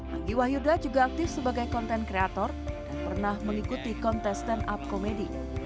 anggi wahyuda juga aktif sebagai konten kreator dan pernah mengikuti kontes stand up comedy